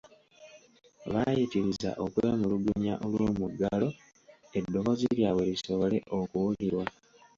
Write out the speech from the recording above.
Baayitiriza okwemulugunya olw'omuggalo eddoboozi lyabwe lisobole okuwulirwa.